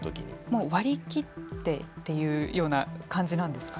もう割り切ってというような感じなんですか。